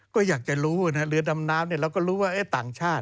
ก็เลยนั่น